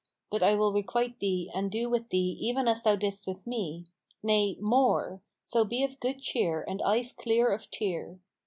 But I will requite thee and do with thee even as thou didst with me; nay, more: so be of good cheer and eyes clear of tear."